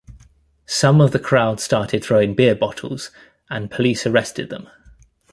Some of the crowd started throwing beer bottles and police arrested them.